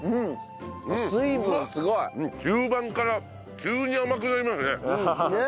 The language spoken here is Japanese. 中盤から急に甘くなりますね。